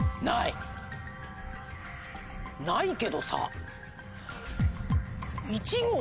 ないけどさ。